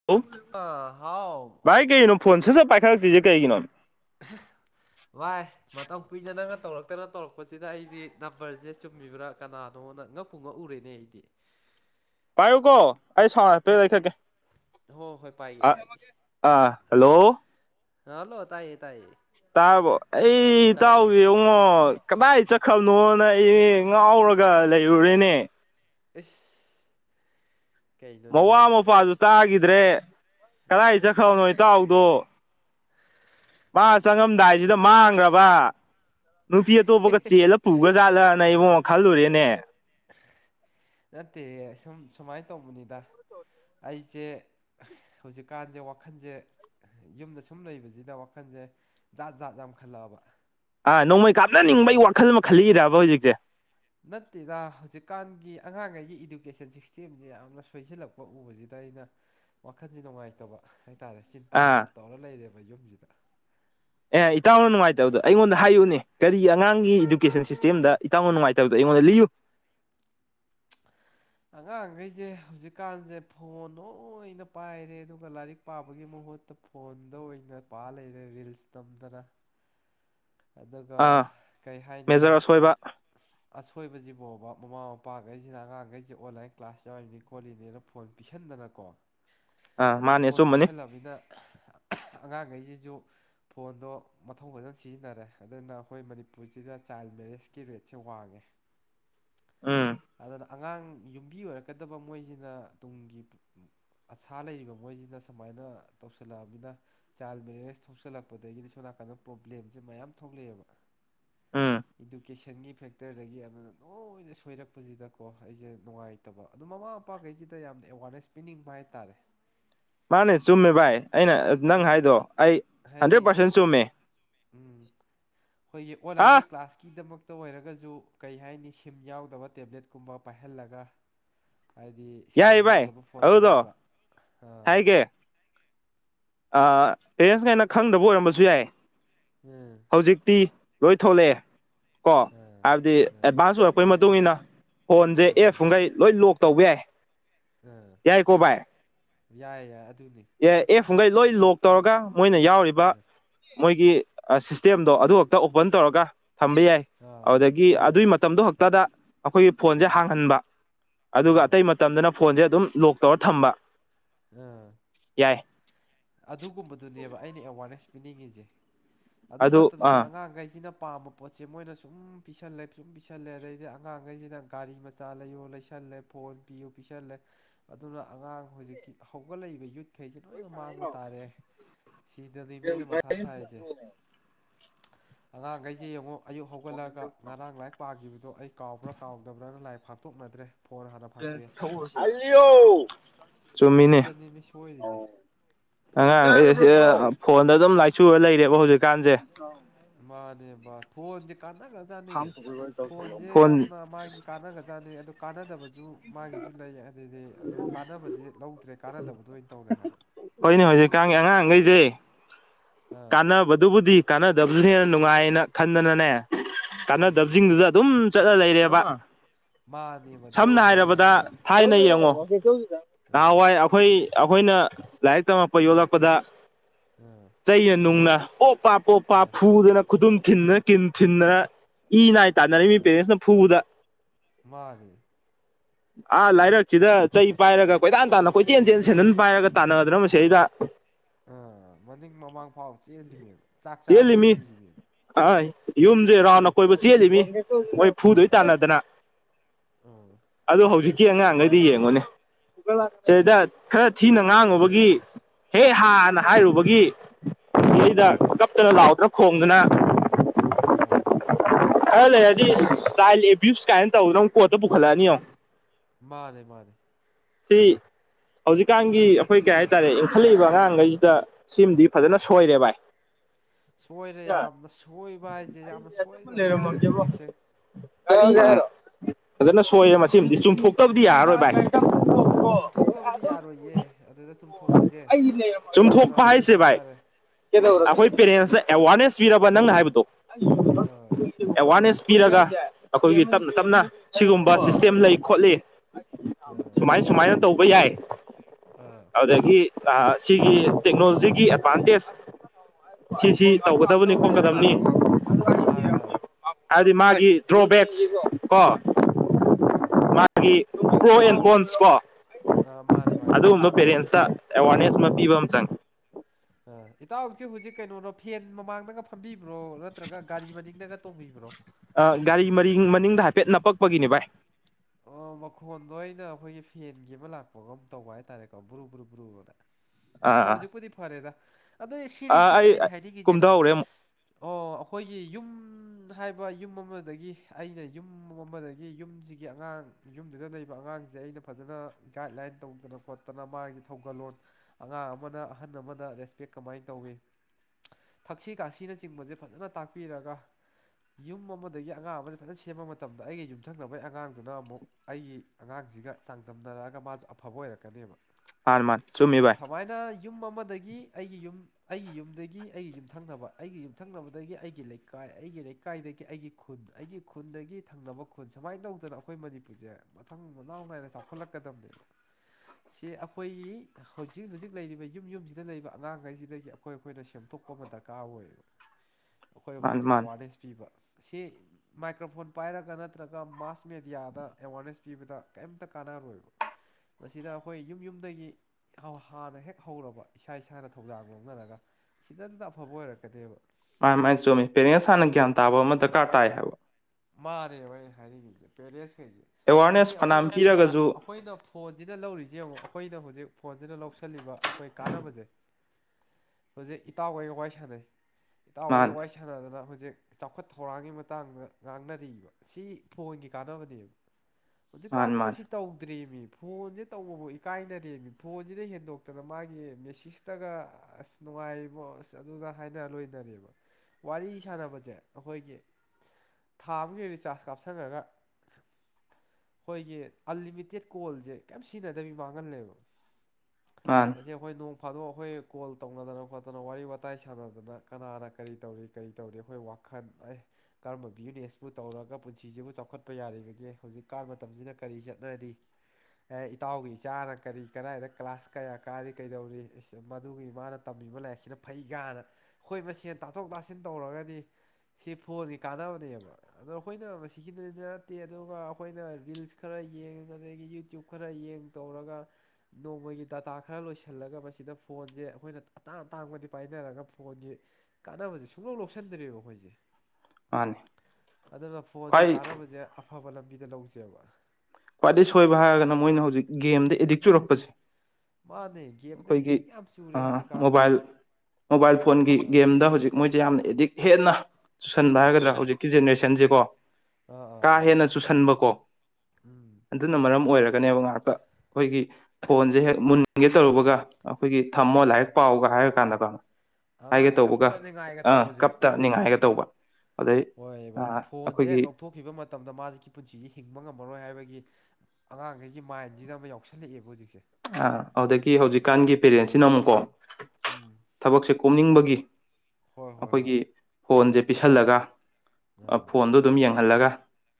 [unintelligible] ꯑꯥ ꯍꯥꯎ ꯑꯩ ꯀꯩꯅꯣ ꯐꯣꯟ ꯁꯥ ꯖꯠ ꯄꯥꯏꯈꯠꯂꯛꯇ꯭ꯔꯤꯖꯦ ꯀꯩꯒꯤꯅꯣ [unintelligible] ꯚꯥꯏ ꯃꯇꯝ ꯀꯨꯏꯅ ꯅꯪꯅ ꯇꯧꯔꯛꯇꯥꯅ ꯇꯧꯔꯛꯄꯁꯤꯗ ꯑꯩꯗꯤ ꯅꯝꯕꯔꯖꯦ ꯆꯨꯝꯃꯤꯕ꯭ꯔꯥ ꯀꯅꯥꯅꯣꯅ ꯉꯝ ꯄꯨꯉꯛꯎꯔꯦꯅꯦ ꯑꯩꯗꯤ ꯄꯥꯏꯌꯨꯀꯣ ꯑꯩ ꯁꯥꯎꯟ ꯍꯥꯢꯄꯦꯠ ꯂꯩꯈꯠꯀꯦ ꯍꯣꯏ ꯍꯣꯏ ꯄꯥꯏꯒꯦ ꯑꯥ ꯄꯥꯏꯒꯦ ꯑꯥ ꯍꯜꯂꯣ ꯍꯂꯣ ꯇꯥꯏꯌꯦ ꯇꯥꯏꯌꯦ ꯇꯥꯔꯕꯣ ꯑꯩ ꯇꯥꯏꯌꯦ ꯢꯇꯥꯎꯕꯤꯉꯣ ꯀꯗꯥꯏ ꯆꯠꯈꯥꯝꯅꯣꯅ ꯑꯩ ꯉꯥꯎꯔꯥ ꯒꯥ ꯂꯩ ꯔꯨꯔꯦꯅꯦ ꯢꯁ ꯃꯋꯥ ꯃꯄꯥꯖꯨ ꯇꯥꯒꯤꯗ꯭ꯔꯦ ꯀꯗꯥꯏ ꯆꯈ꯭ꯔꯥꯕꯅꯣ ꯏꯇꯥꯎꯗꯣ ꯃꯥ ꯆꯪꯉꯝꯗꯥꯏꯖꯤꯗ ꯃꯥꯡꯒ꯭ꯔꯥꯕ ꯅꯨꯄꯤꯑꯠ ꯑꯇꯣꯞꯄꯒ ꯆꯦꯜꯂ ꯄꯨꯒꯥ ꯖꯥꯠꯂꯅ ꯏꯕꯨꯉꯣ ꯈꯜꯂꯨꯔꯦꯅꯦ [unintelligible] ꯅꯠꯇꯦꯍꯦ ꯑꯁꯨꯝ ꯁꯨꯃꯥꯏꯟ ꯇꯧꯕꯅꯤꯗꯥ ꯑꯩꯖꯦ [inaudible] ꯍꯨꯖꯤꯀꯥꯟꯖꯦ ꯋꯥꯈꯟꯖꯦ ꯌꯨꯝꯗ ꯁꯨꯝ ꯂꯩꯕꯖꯤꯗ ꯋꯥꯈꯟꯖꯦ ꯖꯥꯠ ꯖꯥꯠ ꯌꯥꯝ ꯈꯜꯂꯛꯑꯕ ꯑꯥ ꯅꯣꯡꯃꯩ ꯀꯥꯞꯅꯅꯤꯡꯕꯒꯤ ꯑꯗꯨꯗꯅꯤ ꯋꯥꯈꯜ ꯑꯃ ꯈꯜꯂꯤꯔꯕ ꯍꯧꯖꯤꯛꯁꯦ ꯅꯠꯇꯦꯗ ꯍꯧꯖꯤꯛꯀꯥꯟꯒꯤ ꯑꯉꯥꯡꯉꯩꯒꯤ ꯏꯗꯨꯀꯦꯁꯟ ꯁꯤꯁꯇꯦꯝꯖꯦ ꯌꯥꯝꯅ ꯁꯣꯏꯖꯤꯜꯂꯛꯄ ꯎꯕꯖꯤꯗ ꯑꯩꯅ ꯋꯥꯈꯟꯖꯦ ꯅꯨꯡꯉꯥꯏꯇꯕ ꯍꯥꯏꯇꯥꯔꯦ ꯆꯤꯟꯇꯥ ꯑꯥ ꯌꯥꯝ ꯇꯧꯔ ꯂꯩꯔꯦꯕ ꯌꯨꯝꯖꯤꯗ ꯑꯦ ꯏꯇꯥꯎꯅ ꯅꯨꯡꯉꯥꯏꯇꯕꯗꯣ ꯑꯩꯉꯣꯟꯗ ꯍꯥꯏꯌꯨꯅꯦ ꯀꯔꯤ ꯑꯉꯥꯡꯒꯤ ꯏꯗꯨꯀꯦꯁꯟ ꯁꯤꯁꯇꯦꯝꯗ ꯏꯇꯥꯎꯅ ꯅꯨꯡꯉꯥꯏꯇꯕꯗꯣ ꯑꯩꯉꯣꯟꯗ ꯂꯤꯌꯨ [inaudible] ꯑꯉꯥꯡꯒꯩꯖꯦ ꯍꯧꯖꯤꯛꯀꯥꯟꯖꯦ ꯐꯣꯟ ꯂꯣꯏꯅ ꯄꯥꯏꯔꯦ ꯑꯗꯨꯒ ꯂꯥꯏꯔꯤꯛ ꯄꯥꯕꯒꯤ ꯃꯍꯨꯠꯇ ꯐꯣꯟꯗ ꯑꯣꯏꯅ ꯄꯥ ꯂꯩꯔꯦ ꯔꯤꯜꯁ ꯇꯝꯗꯅ ꯑꯗꯨꯒ ꯑꯥ ꯀꯩ ꯍꯥꯏꯅꯤ ꯃꯦꯖꯔ ꯑꯁꯣꯏꯕ ꯑ ꯑꯁꯣꯏꯕꯖꯤ ꯕꯣꯕ ꯃꯃꯥ ꯃꯄꯥꯒꯩꯖꯤꯅ ꯑꯉꯥꯡꯒꯩꯖꯦ ꯑꯣꯟꯂꯥꯏꯟ ꯀ꯭ꯂꯥꯁ ꯌꯥꯎꯔꯤꯅꯤ ꯈꯣꯠꯂꯤꯅꯦꯅ ꯐꯣꯟ ꯄꯤꯁꯟꯗꯅꯀꯣ ꯑꯥ ꯑꯗꯩ ꯃꯥꯅꯦ ꯐꯣꯟ ꯑꯆꯨꯝꯕꯅꯤ ꯄꯤꯁꯜꯂꯃꯤꯅ ꯑꯉꯥꯡꯒꯩꯖꯤꯖꯨ ꯐꯣꯟꯗꯣ ꯃꯊꯧ ꯐꯖꯟ ꯁꯤꯖꯤꯟꯅꯔꯦ ꯑꯗꯨꯅ ꯑꯈꯣꯏ ꯃꯅꯤꯄꯨꯔꯆꯤꯗ ꯆꯥꯏꯜ ꯃꯦꯔꯦꯖꯀꯤ ꯔꯦꯠꯁꯦ ꯋꯥꯡꯉꯦ ꯎꯝ ꯑꯗꯨꯅ ꯑꯉꯥꯡ ꯌꯨꯝꯕꯤ ꯑꯣꯏꯔꯛꯀꯗꯕ ꯃꯣꯏꯖꯤꯅ ꯇꯨꯡꯒꯤ ꯑꯁꯥ ꯂꯩꯔꯤꯕ ꯃꯣꯏꯖꯤꯅ ꯁꯃꯥꯏꯅ ꯇꯧꯁꯤꯜꯂꯛꯑꯃꯤꯅ ꯆꯥꯏꯜ ꯃꯦꯔꯦꯖ ꯊꯣꯛꯆꯜꯂꯛꯄꯗꯒꯤꯗꯤ ꯁꯣ ꯅꯥꯀꯟꯗ ꯄ꯭ꯔꯣ ꯕ꯭ꯂꯦꯝꯖꯦ ꯃꯌꯥꯝ ꯊꯣꯛꯂꯛꯑꯦꯕ ꯎꯝ ꯢꯗꯨ ꯀꯦꯁꯟꯒꯤ ꯐꯦꯛꯇꯔꯗꯒꯤ ꯑꯃꯅ ꯂꯣꯏꯅ ꯁꯣꯏꯔꯛꯄꯖꯤꯗꯀꯣ ꯑꯩꯖꯦ ꯅꯨꯡꯉꯥꯏꯇꯕ ꯑꯗꯣ ꯃꯃꯥ ꯃꯄꯥꯒꯩꯖꯤꯗ ꯌꯥꯝꯅ ꯑꯦꯋꯥꯔꯅꯦꯁ ꯄꯤꯅꯤꯡꯕ ꯍꯥꯏꯇꯥꯔꯦ ꯃꯥꯅꯦ ꯆꯨꯝꯃꯦ ꯚꯥꯏ ꯑꯩꯅ ꯅꯪ ꯍꯥꯏꯗꯤ ꯍꯥꯏꯗꯣ ꯑꯩ ꯍꯟꯗ꯭ꯔꯦꯠ ꯍꯥꯏꯗꯤ ꯄꯥꯔꯁꯦꯟ ꯆꯨꯝꯃꯦ ꯎꯝ ꯈꯣꯏꯒꯤ ꯑꯥ ꯑꯣꯟꯂꯥꯏꯟꯒꯤ ꯀ꯭ꯂꯥꯁꯀꯤꯗꯃꯛ ꯇ ꯑꯣꯏꯔꯒꯖꯨ ꯀꯩ ꯍꯥꯏꯅꯤ ꯁꯤꯝ ꯌꯥꯎꯗꯕ ꯇꯦꯕ꯭ꯂꯦꯠꯀꯨꯝꯕ ꯄꯥꯏꯍꯜꯂꯒ ꯍꯥꯏꯗꯤ ꯁꯤꯝ ꯌꯥꯏꯌꯦ ꯚꯥꯏ ꯌꯥꯎꯗꯕ ꯐꯣꯟ ꯑꯗꯨꯗꯣ ꯄꯥꯏꯍꯟꯕ ꯍ ꯑ ꯄꯦꯔꯦꯟꯁ ꯒꯩꯅ ꯈꯪꯗꯕ ꯑꯣꯏꯔꯝꯕꯖꯨ ꯌꯥꯏ [unintelligible] ꯍꯧꯖꯤꯛꯇꯤ ꯂꯣꯏ ꯊꯣꯛꯂꯛꯑꯦ ꯀꯣ ꯑꯥ ꯍꯥꯏꯕꯗꯤ ꯑꯥ ꯑꯦꯗꯚꯥꯟꯁ ꯑꯣꯏꯔꯛꯄꯩ ꯃꯇꯨꯡ ꯏꯟꯅ ꯐꯣꯟꯖꯦ ꯑꯥ ꯑꯦꯐꯝꯈꯩ ꯂꯣꯏ ꯂꯣꯛ ꯇꯧꯕ ꯌꯥꯏ ꯑꯥ ꯌꯥꯏꯀꯣ ꯌꯥꯏ ꯌꯥꯏ ꯑꯗꯨꯅꯤ ꯌ ꯑꯦ ꯑꯝꯒꯩ ꯂꯣꯏ ꯂꯣꯛ ꯇꯧꯔꯒ ꯃꯣꯏꯅ ꯌꯥꯎꯔꯤꯕ ꯎꯝ ꯃꯣꯏꯒꯤ ꯑ ꯁꯤꯁꯇꯦꯝꯗꯣ ꯑꯗꯨ ꯈꯛꯇ ꯑꯣꯄꯟ ꯇꯧꯔꯒ ꯊꯝꯕ ꯌꯥꯏ ꯑꯥ ꯑꯧ ꯗꯒꯤ ꯑꯗꯨꯏ ꯍꯣꯏꯕ ꯃꯇꯝꯗꯣ ꯈꯛꯇꯗ ꯑꯈꯣꯏꯒꯤ ꯐꯣꯟꯁꯦ ꯑꯥ ꯍꯥꯡꯍꯟꯕ ꯑꯗꯨꯒ ꯑꯥ ꯑꯇꯩ ꯃꯠ ꯇꯝꯗꯅ ꯐꯣꯟꯖꯦ ꯑꯗꯨꯝ ꯂꯣꯛ ꯇꯧꯔ ꯊꯝꯕ ꯍ ꯌꯥꯏ ꯑꯗꯨꯒꯨꯝꯕꯗꯨꯅꯦꯕ ꯑꯩꯅ ꯑꯦꯋꯥꯔꯅꯦꯁ ꯄꯤꯅꯤꯡꯉꯤꯖꯦ ꯑꯗꯨ ꯅꯠꯇꯗꯅ ꯑꯉꯥꯡꯒꯩꯖꯤꯅ ꯄꯥꯝꯕ ꯄꯣꯠꯁꯦ ꯃꯣꯏꯅ ꯁꯨꯝ ꯄꯤꯁꯜꯂꯦ ꯁꯨꯝ ꯄꯤꯁꯜꯂꯦ ꯑꯗꯩꯗꯤ ꯑꯉꯥꯡꯒꯩꯖꯤꯅ ꯒꯥꯔꯤ ꯃꯆꯥ ꯂꯩꯌꯣ ꯂꯩꯁꯜꯂꯦ ꯐꯣꯟ ꯄꯤꯌꯨ ꯄꯤꯁꯜꯂꯦ ꯑꯗꯨꯅ ꯑꯉꯥꯡ ꯍꯧꯖꯤꯛꯀꯤ ꯍꯧꯒꯠꯂꯛꯏꯕ ꯌꯨꯠꯈꯩꯁꯦ ꯂꯣꯏꯅ ꯃꯥꯡꯕ ꯇꯥꯔꯦ ꯁꯤꯗꯅꯤꯃꯤ ꯑꯩꯅ ꯃꯊꯥ ꯁꯥꯔꯤꯖꯦ ꯑꯉꯥꯡꯒꯩꯖꯦ ꯌꯦꯡꯉꯣ ꯑꯌꯨꯛ ꯍꯧꯒꯠꯂꯒ ꯉꯔꯥꯡ ꯂꯥꯏ ꯄꯥꯒꯤꯕꯗꯣ ꯑꯩ ꯀꯥꯎꯕ꯭ꯔꯥ ꯀꯥꯎꯗꯕ꯭ꯔꯅ ꯂꯥꯏ ꯐꯥꯛꯇꯣꯛꯅꯗ꯭ꯔꯦ ꯐꯣꯟ ꯍꯥꯟꯅ ꯐꯥꯛꯇꯣꯛꯑꯦ [unintelligible] ꯆꯨꯝꯃꯤꯅꯦ ꯁꯤꯗꯅꯦꯃꯤ ꯁꯣꯏꯔꯤꯁꯦ ꯑꯉꯥꯡ ꯒꯩꯁꯦ ꯑ ꯐꯣꯟꯗ ꯑꯗꯨꯝ ꯂꯥꯏꯆꯨꯔ ꯂꯩꯔꯦꯕ ꯍꯧꯖꯤꯛꯀꯥꯟꯖꯦ ꯑꯧ ꯃꯥꯅꯦꯕ ꯐꯣꯟꯖꯦ ꯀꯥꯟꯅꯒꯔꯖꯥꯠꯅꯦ ꯐꯣꯟꯖꯦ ꯐꯣꯟ ꯌꯥꯝꯅ ꯃꯥꯒꯤ ꯀꯥꯟꯅꯒꯖꯅꯦ ꯑꯗꯨ ꯀꯥꯟꯅꯗꯕꯖꯨ ꯃꯥꯒꯤꯖꯨ ꯂꯩ ꯑꯗꯨꯗꯤ ꯑꯗꯣ ꯀꯥꯟꯅꯕꯖꯦ ꯂꯧꯗ꯭ꯔꯦ ꯀꯥꯟꯅꯗꯕꯗ ꯑꯣꯏꯅ ꯇꯧꯔꯦ ꯍꯥꯏꯕ ꯍꯣꯏꯅꯦ ꯍꯧꯖꯤꯛ ꯀꯥꯟꯒꯤ ꯑꯉꯥꯡ ꯉꯩꯖꯦ ꯑꯥ ꯀꯥꯟꯅꯕꯗꯨꯕꯨꯗꯤ ꯀꯥꯟꯅ ꯗꯕ ꯗꯨꯅ ꯍꯦꯟꯅ ꯅꯨꯡꯉꯥꯏꯌꯦꯅ ꯈꯟꯗꯅꯅꯦ ꯎꯝ ꯀꯥꯟꯅꯗꯕꯖꯤꯡꯗꯨꯗ ꯑꯗꯨꯝ ꯆꯠꯂ ꯂꯩꯔꯦꯕ ꯃꯥꯅꯦꯕ ꯁꯝꯅ ꯑꯗꯨꯅꯦꯕ ꯑꯩꯅ ꯍꯥꯏꯔꯕꯗ ꯍꯥꯏꯅꯤꯡꯉꯤꯁꯦ ꯊꯥꯏꯅ ꯌꯦꯡꯉꯣ ꯅꯍꯥ ꯑꯥ ꯋꯥꯏ ꯑ ꯑꯈꯣꯏ ꯑꯈꯣꯏꯅ ꯂꯥꯏꯔꯤꯛ ꯇꯝꯃꯛꯄ ꯌꯣꯂꯛꯄꯗ ꯑꯥ ꯆꯩꯅ ꯅꯨꯡꯅ ꯄꯣꯄꯥ ꯄꯣꯄꯥ ꯑꯥ ꯐꯨꯗꯅ ꯈꯨꯗꯨꯝ ꯊꯤꯟꯗꯅ ꯀꯤꯟ ꯊꯤꯟꯗꯅ ꯏ ꯅꯥꯏ ꯇꯥꯟꯅꯔꯤ ꯃꯤ ꯑꯥ ꯄꯦꯔꯦꯟꯁꯅ ꯐꯨꯕꯗ ꯃꯥꯅꯦ ꯑꯥ ꯂꯥꯏꯔꯛꯁꯤꯗ ꯆꯩ ꯄꯥꯏꯔꯒ ꯀꯣꯏꯇꯥꯟ ꯇꯥꯟꯅ ꯀꯣꯏꯇꯦꯟ ꯆꯦꯟ ꯁꯦꯟꯗꯟ ꯄꯥꯏꯔꯒ ꯇꯥꯟꯅꯗꯅ ꯃꯁꯩꯗ ꯑꯥ ꯃꯅꯤꯡ ꯃꯃꯥꯡ ꯐꯥꯎ ꯆꯦꯜꯂꯤꯃꯦꯕ ꯆꯥꯛ ꯆꯥ ꯆꯦꯜꯂꯤꯃꯤ ꯆꯪꯈꯤꯔꯤꯃꯦꯕ ꯑꯥꯏ ꯌꯨꯝꯖꯦ ꯔꯥꯎꯟ ꯑꯀꯣꯏꯕ ꯆꯦꯜꯂꯤꯃꯤ ꯃꯣꯏ ꯐꯨꯗꯣꯏ ꯎꯝ ꯇꯥꯟꯅꯗꯅ ꯑꯥ ꯑꯗꯣ ꯍꯧꯖꯤꯛꯀꯤ ꯑꯉꯥꯡꯒꯩꯗꯤ ꯌꯦꯡꯉꯣꯅꯦ ꯁꯤꯗꯩꯗ ꯈꯔ ꯊꯤꯅ ꯉꯥꯡꯉꯨꯕꯒꯤ ꯍꯦ ꯍꯥꯅ ꯍꯥꯏꯔꯨꯕꯒꯤ ꯁꯤꯗꯩꯗ ꯑꯥ ꯀꯞ ꯇꯅ ꯂꯥꯎꯗꯅꯥ ꯈꯣꯡꯗꯅ ꯑꯥ ꯈꯔ ꯂꯩꯔꯗꯤ ꯆꯥꯏꯜ ꯑꯦꯕ꯭ꯌꯨꯁ ꯀꯥꯏꯅ ꯇꯧꯗꯅ ꯀꯣꯔꯠꯇ ꯄꯨꯈꯠꯂꯛ ꯑꯅꯤ ꯌꯦꯡꯉꯣ ꯃꯥꯅꯦ ꯃꯥꯅꯦ ꯁꯤ ꯍꯧꯖꯤꯛꯀꯥꯟꯒꯤ ꯑꯈꯣꯏ ꯀꯩ ꯍꯥꯏꯇꯥꯔꯦ ꯏꯟꯈꯠꯂꯛꯏꯕ ꯑꯉꯥꯡꯒꯩꯖꯤꯗ ꯁꯤꯃꯗꯤ ꯐꯖꯅ ꯁꯣꯏꯔꯦ ꯚꯥꯏ [inaudible] ꯁꯣꯏꯔꯦ ꯌꯥꯝꯅ ꯁꯣꯏꯕ ꯍꯥꯏꯖꯦ ꯌꯥꯝꯅ ꯁꯣꯏꯒ꯭ꯔꯕ ꯖꯥꯅꯤ ꯍꯨꯖꯤꯛꯁꯦ ꯆꯂꯖꯦ ꯍꯥꯢꯔꯣ ꯐꯖꯅ ꯁꯣꯏꯌꯦ ꯃꯁꯤꯃꯗꯤ ꯆꯨꯝꯊꯣꯛꯇꯕꯗꯤ ꯌꯥꯔꯣꯏ ꯚꯥꯏ ꯆꯨꯝꯊꯣꯛꯇꯕꯗꯤ ꯌꯥꯔꯣꯏꯌꯦ ꯑꯗꯨꯗ ꯁꯨꯝ ꯊꯣꯛꯄꯖꯦ ꯌꯥꯝꯅ ꯆꯨꯝꯊꯣꯛꯄ ꯂꯨꯕ ꯍꯥꯏꯁꯦ ꯚꯥꯏ ꯍꯥꯏꯇꯥꯔꯦ ꯎꯝ ꯑꯩꯈꯣꯏ ꯄꯦꯔꯦꯟꯁꯅ ꯑꯦꯋꯥꯔꯅꯦꯁ ꯄꯤꯔꯕ ꯅꯪꯅ ꯍꯥꯏꯕꯗꯣ ꯑꯥ ꯑꯦꯋꯥꯔꯅꯦꯁ ꯄꯤꯔꯒ ꯑꯈꯣꯏꯒꯤ ꯇꯞꯅ ꯇꯞꯅ ꯁꯤꯒꯨꯝꯕ ꯑꯥ ꯁꯤꯁꯇꯦꯝ ꯂꯩ ꯈꯣꯠꯂꯤ ꯑꯥ ꯁꯨꯃꯥꯏ ꯁꯨꯃꯥꯏꯅ ꯇꯧꯕ ꯌꯥꯏ ꯑꯥ ꯑꯗꯒꯤ ꯑ ꯁꯤꯒꯤ ꯇꯦꯛꯅꯣꯂꯣꯖꯤꯒꯤ ꯑꯦꯗꯚꯥꯟꯇꯦꯖ ꯁꯤꯁꯤ ꯇꯧꯒꯗꯕꯅꯤ ꯈꯣꯠꯀꯗꯕꯅꯤ ꯃꯥꯅꯦ ꯃꯥꯅꯦ ꯑꯗꯨꯗꯤ ꯃꯥꯒꯤ ꯗ꯭ꯔꯣꯕꯦꯛꯁ ꯀꯣ ꯑꯥ ꯃꯥꯒꯤ ꯄ꯭ꯔꯣ ꯑꯦꯟ ꯀꯣꯟꯁ ꯀꯣ ꯑ ꯃꯥꯅꯦ ꯃꯥꯅꯦ ꯑꯗꯨꯒꯨꯝꯕ ꯄꯦꯔꯦꯟꯁꯇ ꯑꯦꯋꯥꯔꯅꯦꯁ ꯃꯥ ꯄꯤꯕ ꯑꯃ ꯆꯪꯉꯤ ꯑ ꯏꯇꯥꯎꯖꯦ ꯍꯨꯖꯤꯛ ꯀꯩꯅꯣꯔꯣ ꯐꯦꯟ ꯃꯃꯥꯡꯗꯒ ꯐꯝꯕꯤꯕ꯭ꯔꯣ ꯅꯠꯇ꯭ꯔꯒ ꯒꯥꯔꯤ ꯃꯅꯤꯡꯗꯒ ꯇꯣꯡꯕꯤꯕ꯭ꯔꯣ ꯑ ꯒꯥꯔꯤ ꯃꯔꯤꯡ ꯃꯅꯤꯡꯗ ꯍꯥꯏꯐꯦꯠ ꯅꯞꯄꯛꯄꯒꯤꯅꯤ ꯚꯥꯏ ꯑꯣ ꯃꯈꯣꯟꯗꯣ ꯑꯩꯅ ꯈꯣꯏꯒꯤ ꯐꯦꯟꯒꯤ ꯑꯃ ꯂꯥꯛꯄꯒꯨꯝ ꯇꯧꯕ ꯍꯥꯏꯇꯥꯔꯦꯀꯣ ꯕ꯭ꯔꯨ ꯕ꯭ꯔꯨ ꯕ꯭ꯔꯨꯅ ꯑꯣ ꯑꯥ ꯍꯧꯖꯤꯛꯄꯨꯗꯤ ꯐꯔꯦꯗ ꯑꯗꯣꯟ ꯁꯤꯅꯤ ꯑꯥ ꯁꯤꯁ ꯑꯩ ꯑꯩꯅ ꯍꯥꯏꯅꯤꯡꯉꯤꯖꯦ ꯀꯨꯝꯊꯍꯧꯔꯦ ꯑꯃꯨꯛ ꯑꯣ ꯑꯈꯣꯏꯒꯤ ꯌꯨꯝ ꯌꯨꯝ ꯍꯥꯏꯕ ꯌꯨꯝ ꯑꯃꯗꯒꯤ ꯑꯩꯅ ꯌꯨꯝ ꯑꯃꯗꯒꯤ ꯌꯨꯝꯖꯤ ꯒꯤ ꯑꯉꯥꯡ ꯌꯨꯝꯗꯨꯗ ꯂꯩꯕ ꯑꯉꯥꯡꯖꯦ ꯑꯩꯅ ꯐꯖꯅ ꯒꯥꯏꯗꯂꯥꯏꯟ ꯇꯧꯗꯅ ꯈꯣꯠꯇꯅ ꯃꯥꯒꯤ ꯊꯧꯒꯜꯂꯣꯟ ꯑꯉꯥꯡ ꯑꯃꯅ ꯑꯍꯟ ꯑꯃꯗ ꯔꯦꯁꯄꯦꯛ ꯀꯃꯥꯏꯟ ꯇꯧꯋꯤ ꯊꯛꯁꯤ ꯈꯥꯁꯤꯅꯆꯤꯡꯕꯖꯦ ꯐꯖꯅ ꯇꯥꯛꯄꯤꯔꯒ ꯌꯨꯝ ꯑꯃꯗꯒꯤ ꯑꯉꯥꯡ ꯑꯃꯖꯦ ꯐꯖꯟ ꯁꯦꯝꯕ ꯃꯇꯝꯗ ꯑꯩꯒꯤ ꯌꯨꯝꯊꯪꯅꯕꯩ ꯑꯉꯥꯡ ꯑꯗꯨꯅ ꯑꯃꯨꯛ ꯑꯩꯒꯤ ꯑꯉꯥꯡꯖꯤꯒ ꯆꯥꯡꯗꯝꯅꯔꯛꯑꯒ ꯃꯥꯖꯨ ꯑꯐꯕ ꯑꯣꯏꯔꯛꯀꯅꯦꯕ ꯃꯥꯟꯅꯦ ꯃꯥꯥꯟꯅꯦ ꯆꯨꯝꯃꯤ ꯕꯥꯏ [unintelligible] ꯌꯨꯝ ꯑꯃꯗꯒꯤ ꯑꯩꯒꯤ ꯌꯨꯝ ꯑꯩꯒꯤ ꯌꯨꯝꯗꯒꯤ ꯑꯩꯒꯤ ꯌꯨꯝꯊꯪꯅꯕ ꯑꯩꯒꯤ ꯌꯨꯝꯊꯪꯅꯕꯗꯒꯤ ꯑꯩꯒꯤ ꯂꯩꯀꯥꯏ ꯑꯩꯒꯤ ꯂꯩꯀꯥꯏꯗꯒꯤ ꯑꯩꯒꯤ ꯈꯨꯟ ꯑꯩꯒꯤ ꯈꯨꯟꯗꯒꯤ ꯊꯪꯅꯕ ꯈꯨꯟ ꯁꯃꯥꯏꯟ ꯇꯧꯗꯅ ꯑꯈꯣꯏ ꯃꯅꯤꯄꯨꯔꯖꯦ ꯃꯊꯪ ꯃꯅꯥꯎ ꯅꯥꯏꯅ ꯆꯥꯎꯈꯠꯂꯛꯀꯗꯝꯅꯦꯕ [inaudible] ꯁꯤ ꯑꯈꯣꯏ ꯍꯧꯖꯤꯛ ꯍꯨꯖꯤꯛ ꯂꯩꯔꯤꯕ ꯌꯨꯝ ꯌꯨꯝꯖꯤꯗ ꯂꯩꯔꯤꯕ ꯑꯉꯥꯡꯒꯩꯖꯤꯗꯒꯤ ꯑꯈꯣꯏ ꯑꯈꯣꯏꯅ ꯁꯦꯝꯗꯣꯛ [unintelligible] ꯗꯔꯀꯥꯔ ꯑꯣꯏꯕ [inaudible] ꯑꯈꯣꯏ ꯑꯈꯣꯏꯅ ꯃꯥꯅꯤ ꯑꯦꯋꯥꯔꯅꯦꯁ ꯄꯤꯕ ꯁꯤ ꯃꯥꯏꯀ꯭ꯔꯐꯣꯟ ꯄꯥꯏꯔꯒ ꯅꯠꯇ꯭ꯔꯒ ꯃꯥꯁ ꯃꯦꯗꯤꯌꯥꯗ ꯑꯦꯋꯥꯔꯅꯦꯁ ꯄꯤꯕꯗ ꯀꯩꯝꯇ ꯀꯥꯟꯅꯔꯣꯏꯕ ꯃꯁꯤꯗ ꯑꯈꯣꯏ ꯌꯨꯝ ꯌꯨꯝꯗꯒꯤ ꯍꯧ ꯍꯥꯟꯅ ꯍꯦꯛ ꯍꯧꯔꯕ ꯏꯁꯥ ꯏꯁꯥꯅ ꯊꯧꯗꯥꯡ ꯂꯧꯅꯔꯒ ꯁꯤꯗꯟꯗ ꯑꯐꯕ ꯑꯣꯏꯔꯛꯀꯅꯦꯕ ꯃꯥꯥ ꯃꯥꯥꯏ ꯆꯨꯝꯃꯤ ꯄꯦꯔꯦꯟꯁ ꯍꯥꯟꯅ ꯒ꯭ꯌꯥꯟ ꯇꯥꯕ ꯑꯃ ꯗꯀꯥꯔ ꯇꯥꯏ ꯍꯥꯏꯕ ꯃꯥꯅꯦꯕ ꯑꯩ ꯍꯥꯏꯅꯤꯡꯉꯤꯖꯦ ꯄꯦꯔꯦꯁ ꯈꯩꯁꯦ ꯉꯁꯤ ꯑꯦꯋꯥꯔꯅꯦꯁ ꯑꯈꯣꯏꯅ ꯐꯅꯌꯥꯝ ꯄꯤꯔꯒꯁꯨ [unintelligible] ꯑꯈꯣꯏꯅ ꯐꯣꯟꯖꯤꯅ ꯂꯧꯔꯤꯖꯦ ꯌꯦꯡꯉꯣ ꯑꯈꯣꯏꯅ ꯍꯧꯖꯤꯛ ꯐꯣꯟꯖꯤꯅ ꯂꯧꯁꯜꯂꯤꯕ ꯑꯈꯣꯏ ꯀꯥꯟꯅꯕꯖꯦ ꯍꯨꯖꯤꯛ ꯏꯇꯥꯎꯒ ꯑꯩꯒ ꯋꯥꯔꯤ ꯁꯥꯟꯅꯩ ꯏꯇꯥꯎꯒ ꯑꯩꯒ ꯃꯥꯅꯤ ꯋꯥꯔꯤ ꯁꯥꯟꯅꯗꯅ ꯍꯧꯖꯤꯛ ꯆꯥꯎꯈꯠ ꯊꯧꯔꯥꯡꯒꯤ ꯃꯇꯥꯡꯗ ꯉꯥꯡꯅꯔꯤꯕ ꯁꯤ ꯐꯣꯟꯒꯤ ꯀꯥꯟꯅꯕꯅꯦꯕ ꯃꯥꯅꯤ ꯍꯨꯖꯤꯛꯀꯥꯟꯗꯤ ꯃꯥꯅꯤ ꯃꯁꯤ ꯇꯧꯗ꯭ꯔꯦꯃꯤ ꯐꯣꯟꯖꯦ ꯇꯧꯕꯧ ꯏꯀꯥꯏꯅꯔꯦꯃꯤ ꯐꯣꯟꯖꯤꯗ ꯍꯦꯟꯗꯣꯛꯇꯅ ꯃꯥꯒꯤ ꯃꯦꯁꯤꯁꯇꯒ ꯑꯁ ꯅꯨꯡꯉꯥꯏꯔꯤꯕꯣ ꯑꯁ ꯑꯗꯨ ꯑꯗꯥ ꯍꯥꯏꯅꯔ ꯂꯣꯏꯅꯔꯦꯕ ꯋꯥꯔꯤ ꯁꯥꯟꯅꯕꯖꯦ ꯑꯈꯣꯏꯒꯤ ꯊꯥꯝꯒꯤ ꯔꯤꯆꯥꯔꯖ ꯀꯥꯞꯁꯟꯒ꯭ꯔꯒ ꯈꯣꯏꯒꯤ ꯑꯟꯂꯤꯃꯤꯇꯦꯠ ꯀꯣꯜꯖꯦ ꯀꯩꯝ ꯁꯤꯖꯤꯟꯅꯗꯕꯤ ꯃꯥꯡꯍꯜꯂꯦꯕ ꯃꯥꯟꯅꯦ ꯍꯨꯖꯤꯛ ꯑꯈꯣꯏ ꯅꯣꯡ ꯐꯥꯗꯣꯛ ꯑꯈꯣꯏ ꯀꯣꯜ ꯇꯧꯅꯗꯅ ꯈꯣꯠꯇꯅ ꯋꯥꯔꯤ ꯋꯥꯇꯥꯏ ꯁꯥꯟꯅꯗꯅ ꯀꯅꯥꯅ ꯀꯔꯤ ꯇꯧꯔꯤ ꯀꯔꯤ ꯇꯧꯔꯤ ꯑꯈꯣꯏ ꯋꯥꯈꯟ ꯑꯩ ꯀꯔꯝꯕ ꯕꯤꯌꯨꯅꯦꯁꯄꯨ ꯇꯧꯔꯒ ꯄꯨꯟꯁꯤꯖꯤꯕꯨ ꯆꯥꯎꯈꯠꯄ ꯌꯥꯔꯤꯕꯒꯦ ꯍꯧꯖꯤꯛꯀꯥꯟ ꯃꯇꯝꯁꯖꯤꯅ ꯀꯔꯤ ꯆꯠꯅꯔꯤ ꯑꯦ ꯏꯇꯥꯎꯒꯤ ꯏꯆꯥꯅ ꯀꯔꯤ ꯀꯗꯥꯏꯗ ꯀ꯭ꯂꯥꯁ ꯀꯌꯥ ꯀꯥꯔꯤ ꯀꯩꯗꯧꯔꯤ ꯏꯁ ꯃꯗꯨꯒꯤ ꯃꯥꯅ ꯇꯝꯃꯤꯕ ꯂꯥꯏꯔꯤꯛꯁꯤꯅ ꯐꯩ ꯒꯥꯅ ꯑꯈꯣꯏ ꯃꯁꯦꯟ ꯇꯥꯊꯣꯛ ꯇꯥꯁꯤꯟ ꯇꯧꯔꯒꯗꯤ ꯁꯤ ꯐꯣꯟꯒꯤ ꯀꯥꯟꯅꯕꯅꯦꯕ ꯑꯗꯣ ꯈꯣꯏꯅ ꯃꯁꯤꯒꯤꯗꯗꯤ ꯅꯠꯇꯦ ꯑꯗꯨꯒ ꯑꯈꯣꯏꯅ ꯔꯤꯜꯁ ꯈꯔ ꯌꯦꯡ ꯑꯗꯒꯤ ꯌꯨꯇ꯭ꯌꯨꯨꯞ ꯈꯔ ꯌꯦꯡ ꯇꯧꯔꯒ ꯅꯣꯡꯃꯒꯤ ꯗꯇꯥ ꯈꯔ ꯂꯣꯏꯁꯜꯂꯒ ꯃꯁꯤꯗ ꯐꯣꯟꯖꯦ ꯑꯈꯣꯏꯅ ꯑꯇꯥꯡ ꯑꯇꯥꯡꯕꯗꯤ ꯄꯥꯏꯅꯔꯒ ꯐꯣꯟꯒꯤ ꯀꯥꯟꯅꯕꯖꯦ ꯁꯨꯡꯂꯧ ꯂꯧꯁꯟꯗ꯭ꯔꯦꯕ ꯑꯈꯣꯏꯖꯦ ꯃꯥꯅꯦ ꯑꯗꯨꯅ ꯐꯣꯟꯒꯤ ꯀꯥꯟꯅꯕꯖꯦ ꯑꯐꯕ ꯂꯝꯕꯤꯗ ꯂꯧꯖꯦꯕ ꯈ꯭ꯋꯥꯏꯗꯩ ꯁꯣꯏꯕ ꯍꯥꯏꯔꯒꯅ ꯃꯣꯏꯅ ꯍꯧꯖꯤꯛ ꯒꯦꯝꯗ ꯑꯦꯗꯤꯛ ꯆꯨꯔꯛꯄꯖꯦ ꯃꯥꯅꯦ ꯒꯦꯝꯗ ꯈꯣꯏꯒꯤ ꯑꯦꯗꯤꯛ ꯌꯥꯝ ꯑ ꯆꯨꯔꯦ ꯍꯧꯖꯤꯛꯀꯥꯟꯁꯦ ꯃꯣꯕꯥꯏꯜ ꯃꯣꯕꯥꯏꯜ ꯐꯣꯟꯒꯤ ꯑꯥ ꯒꯦꯝꯗ ꯍꯧꯖꯤꯛ ꯃꯣꯏꯖꯦ ꯌꯥꯝꯅ ꯑꯦꯗꯤꯛ ꯍꯦꯟꯅ ꯆꯨꯁꯟꯕ ꯍꯥꯏꯒꯗ꯭ꯔ ꯑꯥ ꯍꯧꯖꯤꯛꯀꯤ ꯖꯦꯅꯔꯦꯁꯟꯖꯦꯀꯣ ꯑꯥ ꯑꯥ ꯀꯥ ꯑꯥ ꯍꯦꯟꯅ ꯆꯨꯁꯟꯕꯀꯣ ꯎꯝ ꯑꯗꯨꯅ ꯃꯔꯝ ꯑꯣꯢꯔꯒꯅꯦꯕ ꯉꯍꯥꯛꯇ ꯑꯈꯣꯢꯒꯤ ꯐꯣꯟꯖꯦ ꯍꯦꯛ ꯃꯨꯟꯒꯦ ꯇꯧꯔꯨꯕꯒ ꯑꯈꯣꯢꯒꯤ ꯊꯝꯃꯣ ꯂꯥꯢꯔꯤꯛ ꯄꯥꯎꯒ ꯍꯥꯢꯔ ꯀꯥꯟꯗꯒ ꯍꯥꯢꯒꯦ ꯑꯉꯥꯡꯒ ꯇꯧꯕꯒ ꯀꯞꯇꯅ ꯅꯤꯡꯉꯥꯏꯒ ꯑ ꯇꯧꯕꯁꯦ ꯀꯞꯇ ꯅꯤꯡꯉꯥꯢꯒ ꯇꯧꯕ ꯑꯗꯩ ꯑ ꯑꯈꯣꯢꯒꯤ ꯊꯣꯛꯈꯤꯕ ꯃꯇꯝꯗ ꯃꯥꯖꯤꯒꯤ ꯄꯨꯟꯖꯤ ꯍꯤꯡꯕ ꯉꯝꯃꯔꯣꯢ ꯍꯥꯢꯕꯒꯤ ꯑꯉꯥꯡꯈꯩꯒꯤ ꯃꯥꯏꯟꯁꯤꯗ ꯑꯃ ꯌꯥꯎꯁꯜꯂꯛꯑꯦꯕ ꯍꯧꯖꯤꯛꯁꯦ ꯑꯥ ꯑꯧꯗꯒꯤ ꯍꯧꯖꯤꯛꯀꯥꯟꯒꯤ ꯄꯦꯔꯦꯟꯁꯤꯅ ꯑꯃꯨꯛꯀꯣ ꯎꯝ ꯊꯕꯛꯁꯦ ꯀꯣꯝꯅꯤꯡꯕꯒꯤ ꯍꯣꯏ ꯍꯣꯏ ꯍꯣꯏ ꯑꯈꯣꯢꯒꯤ ꯐꯣꯟꯖꯦ ꯄꯤꯁꯜꯂꯒ ꯑ ꯑꯥ ꯐꯣꯟꯗꯣ ꯑꯗꯨꯝ ꯌꯦꯡꯍꯜꯂꯒ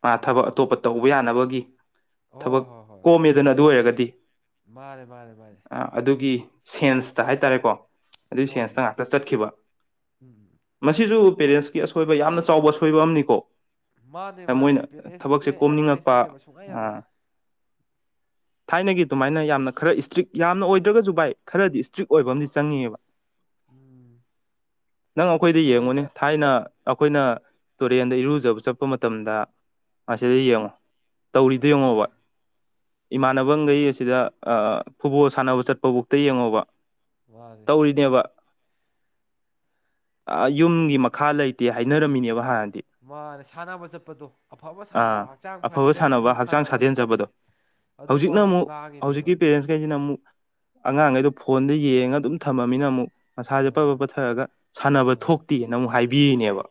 ꯃꯥ ꯊꯕꯛ ꯑꯥ ꯑꯇꯣꯞꯄ ꯇꯧꯕ ꯌꯥꯅꯕꯒꯤ ꯍꯣꯏ ꯊꯕꯛ ꯍꯣꯏ ꯍꯣꯏ ꯀꯣꯝꯃꯦꯗꯅ ꯑꯗꯨ ꯑꯣꯢꯔꯒꯗꯤ ꯃꯥꯅꯦ ꯃꯥꯅꯦ ꯃꯥꯅꯦ ꯑ ꯑꯗꯨꯒꯤ ꯁꯦꯟꯁꯇ ꯍꯥꯏꯇꯥꯔꯦꯀꯣ ꯑꯗꯨꯒꯤ ꯍꯣꯏ ꯁꯦꯟꯁꯇ ꯃꯤ ꯉꯥꯛꯇ ꯆꯠꯈꯤꯕ ꯎꯝ ꯃꯁꯤꯁꯨ ꯍꯣꯏ ꯄꯦꯔꯦꯟꯁꯀꯤ ꯑꯁꯣꯢꯕ ꯌꯥꯝꯅ ꯆꯥꯎꯕ ꯑꯁꯣꯢꯕ ꯑꯃꯅꯤꯀꯣ ꯃꯥꯅꯦ ꯃꯣꯢꯅ ꯃꯥꯅꯦ ꯄꯦꯔꯦꯟꯁꯁꯦ ꯊꯕꯛꯁꯦ ꯑꯦꯋꯥꯔꯅꯦꯁ ꯀꯣꯝꯅꯤꯡꯉꯛꯄ ꯄꯤꯗꯕ ꯁꯨꯡꯌꯥ ꯑ ꯌꯥꯔꯣꯏ ꯊꯥꯢꯅꯒꯤ ꯑꯗꯨꯃꯥꯢꯅ ꯌꯥꯝꯅ ꯈꯔ ꯏꯁꯇ꯭ꯔꯤꯛ ꯌꯥꯝꯅ ꯑꯣꯢꯗ꯭ꯔꯒꯁꯨ ꯚꯥꯢ ꯈꯔꯗꯤ ꯏꯁꯇ꯭ꯔꯤꯛ ꯑꯣꯢꯕ ꯑꯃꯗꯤ ꯆꯪꯉꯤꯕ ꯎꯝ ꯅꯪ ꯑꯩꯈꯣꯢꯗ ꯌꯦꯡꯉꯨꯅꯦ ꯃꯣꯏꯗ ꯊꯥꯢꯅ ꯑꯩꯈꯣꯢꯅ ꯇꯨꯔꯦꯟꯗ ꯏꯔꯨꯖꯕ ꯆꯠꯄ ꯃꯇꯝꯗ ꯑꯁꯤꯗ ꯎꯝ ꯌꯦꯡꯉꯣ ꯇꯧꯔꯤꯗꯣ ꯌꯦꯡꯉꯣꯕ ꯏꯃꯥꯟꯅꯕꯒꯩ ꯁꯤꯗ ꯑ ꯐꯨꯠꯕꯣꯜ ꯁꯥꯟꯅꯕ ꯆꯠꯄꯕꯨꯛꯇ ꯌꯦꯡꯉꯣꯕ ꯃꯥꯅꯦ ꯇꯧꯔꯤꯅꯦꯕ ꯑ ꯌꯨꯝꯒꯤ ꯃꯈꯥ ꯂꯩꯇꯦ ꯍꯥꯢꯅꯔꯝꯃꯤꯅꯦꯕ ꯍꯥꯟꯅꯗꯤ ꯃꯥꯅꯦ ꯁꯥꯟꯅꯕ ꯆꯠꯄꯗꯣ ꯑꯐꯕ ꯁꯥꯟꯅꯕ ꯑꯥ ꯍꯛꯆꯥꯡ ꯑꯐꯕ ꯐꯅꯤꯉꯥꯏ ꯕꯣꯜ ꯍꯛꯆꯥꯡ ꯁꯥꯟꯅꯕ ꯆꯠꯄꯖꯦ ꯁꯥꯖꯦꯟꯖꯕꯗꯣ ꯑꯗꯨꯕꯥꯎ ꯍꯧꯖꯤꯛꯅ ꯑꯃꯨꯛ ꯉꯥꯡꯉꯤꯅꯦꯕ ꯍꯧꯖꯤꯛꯀꯤ ꯄꯦꯔꯦꯟꯁꯈꯩꯁꯤꯅ ꯑꯃꯨꯛ ꯑꯉꯥꯡꯒꯩꯗꯣ ꯐꯣꯟꯗ ꯌꯦꯡꯉꯒ ꯑꯗꯨꯝ ꯊꯝꯃꯕꯅꯤꯅ ꯑꯃꯨꯛ ꯃꯁꯥꯖꯦ ꯄꯕ ꯑꯥ ꯄꯠꯊꯔꯒ ꯁꯥꯟꯅꯕ ꯊꯣꯛꯇꯦꯅ ꯑꯃꯨꯛ ꯍꯥꯢꯕꯤꯔꯤꯅꯦꯕ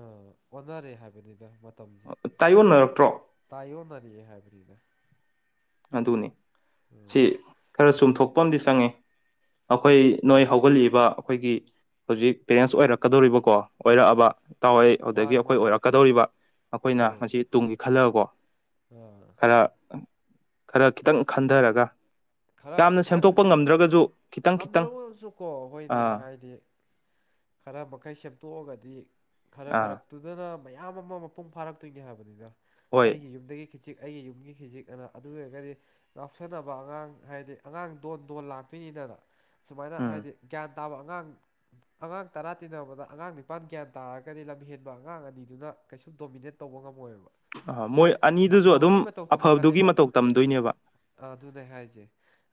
ꯑ ꯑꯣꯅꯔꯦ ꯔꯦ ꯍꯥꯢꯕꯅꯤꯗ ꯃꯇꯝꯖꯦ ꯇꯥꯏꯌꯣꯟꯅꯔꯛꯇ꯭ꯔꯣ ꯇꯥꯢꯌꯣꯟꯅꯔꯛꯑꯦ ꯍꯥꯢꯕꯅꯤꯗ ꯑꯗꯨꯅꯤ ꯁꯤ ꯈꯔ ꯆꯨꯝꯊꯣꯛꯄ ꯑꯃꯗꯤ ꯆꯪꯉꯦ ꯑꯩꯈꯣꯢ ꯅꯣꯢ ꯑꯥ ꯍꯧꯒꯠꯂꯤꯕ ꯑꯩꯈꯣꯢꯒꯤ ꯍꯧꯖꯤꯛ ꯄꯦꯔꯦꯟꯁ ꯑꯣꯏꯔꯛꯀꯗꯧꯔꯤꯕꯀꯣ ꯑꯣꯢꯔꯛꯑꯕ ꯇꯥꯎꯋꯣꯢ ꯑꯗꯒꯤ ꯃꯥꯅꯦ ꯑꯩꯈꯣꯢ ꯃꯥꯅꯦ ꯑꯣꯢꯔꯛꯀꯗꯧꯔꯤꯕ ꯑꯩꯈꯣꯢꯅ ꯃꯁꯤ ꯇꯨꯡꯒꯤ ꯈꯜꯂꯒꯀꯣ ꯑ ꯈꯔ ꯈꯔ ꯈꯤꯠꯇꯪ ꯈꯟꯗꯔꯒ ꯈꯔ ꯌꯥꯝꯅ ꯈꯔ ꯁꯦꯝꯗꯣꯛꯄ ꯈꯖꯤꯛ ꯉꯝꯗ꯭ꯔꯒꯖꯨ ꯈꯤꯇꯪ ꯈꯤꯇꯪ ꯉꯝꯗ꯭ꯔꯒꯁꯨꯀꯣ ꯍꯣꯏꯅꯦ ꯑꯥ ꯍꯥꯏꯗꯤ ꯈꯔ ꯃꯈꯩ ꯁꯦꯝꯗꯣꯛꯑꯒꯗꯤ ꯈꯔ ꯈꯔ ꯑꯥ ꯑꯗꯨꯨꯗꯅ ꯃꯌꯥꯝ ꯑꯃ ꯃꯄꯨꯡ ꯐꯥꯔꯛꯇꯣꯢꯅꯦ ꯍꯥꯢꯕꯅꯤꯅ ꯍꯣꯏ ꯑꯩꯒꯤ ꯌꯨꯝꯗꯒꯤ ꯈꯤꯖꯤꯛ ꯑꯩꯒꯤ ꯌꯨꯝꯒꯤ ꯈꯤꯖꯤꯛ ꯑꯅ ꯑꯗꯨ ꯑꯣꯢꯔꯒꯗꯤ ꯉꯥꯎꯁꯟꯅꯕ ꯑꯉꯥꯡ ꯍꯥꯢꯗꯤ ꯑꯉꯥꯡ ꯗꯣꯟ ꯗꯣꯟ ꯂꯥꯛꯇꯨꯢꯅꯤꯗꯅ ꯁꯨꯃꯥꯢꯅ ꯎꯝ ꯍꯥꯏꯗꯤ ꯒ꯭ꯌꯥꯟ ꯇꯥꯕ ꯑꯉꯥꯡ ꯑꯉꯥꯡ ꯇꯔꯥ ꯇꯤꯟꯅꯕꯗ ꯑꯉꯥꯡ ꯅꯤꯄꯥꯟ ꯒ꯭ꯌꯥꯟ ꯇꯥꯔꯒꯗꯤ ꯂꯝꯍꯦꯟꯕ ꯑꯉꯥꯡ ꯑꯅꯤꯗꯨꯅ ꯀꯩꯁꯨ ꯗꯣꯃꯤꯅꯦꯠ ꯇꯧꯕ ꯉꯝꯃꯣꯢꯕ ꯑꯥ ꯃꯣꯢ ꯃꯣꯏ ꯑꯅꯤꯗꯨꯁꯨ ꯑꯗꯨꯝ ꯑꯐꯕꯒꯤ ꯃꯇꯧ ꯑꯐꯕꯗꯨꯒꯤ ꯇꯝꯃꯛꯀꯅꯤꯕ ꯃꯇꯧ ꯇꯝꯗꯣꯏꯅꯦꯕ ꯑꯗꯨꯅꯦ ꯍꯥꯢꯖꯦ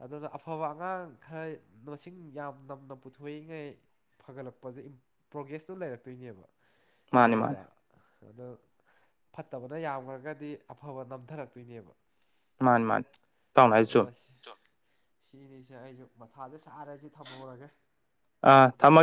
ꯑꯗꯨꯅ ꯑꯐꯕ ꯑꯉꯥꯡ ꯈꯔ ꯃꯁꯤꯡ ꯌꯥꯝ ꯅꯝꯅ ꯄꯨꯊꯣꯛꯢꯉꯩ ꯐꯒꯠꯂꯛꯄꯖꯦ ꯄ꯭ꯔꯣꯒ꯭ꯔꯦꯁꯇꯣ ꯂꯩꯔꯛꯇꯣꯢꯅꯦꯕ ꯃꯥꯅꯤ ꯃꯥꯅꯤ ꯁꯤꯅꯤꯗ ꯑꯗꯣ ꯐꯠꯇꯕꯅ ꯌꯥꯝꯈ꯭ꯔꯒꯗꯤ ꯑꯐꯕ ꯅꯝꯊꯔꯛꯇꯣꯏꯅꯦꯕ ꯃꯥꯅꯤ ꯃꯥꯅꯤ ꯏꯇꯥꯎꯅ ꯍꯥꯏꯗꯨ ꯆꯨꯝꯃꯤ ꯑꯁ ꯁꯤꯅꯤꯁꯦ ꯑꯩꯁꯨ ꯃꯊꯥꯖꯦ ꯁꯥꯔꯦꯖꯤ ꯊꯝꯍꯧꯔꯒꯦ ꯑ ꯊꯝꯃ